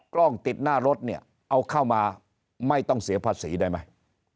กล้องติดหน้ารถเนี่ยเอาเข้ามาไม่ต้องเสียภาษีได้ไหม